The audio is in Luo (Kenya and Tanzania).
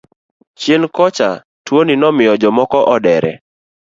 Chien kocha tuoni nomiyo jomoko odere.